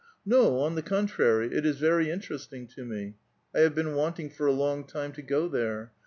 " No, on the contrary, it is very interesting to me ; I have been wanting, for a long time, to go there.